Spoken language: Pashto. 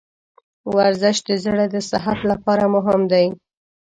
ورزش د زړه د صحت لپاره مهم دی.